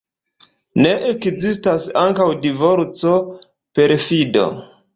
Ne ekzistas ankaŭ divorco, perfido.